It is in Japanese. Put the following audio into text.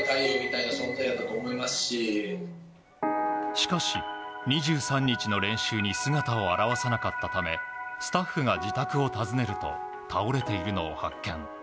しかし、２３日の練習に姿を現さなかったためスタッフが自宅を訪ねると倒れているのを発見。